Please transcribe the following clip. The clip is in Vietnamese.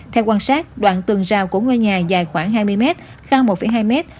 theo quan sát đoạn tường rào của ngôi nhà dài khoảng hai mươi mét cao một hai mét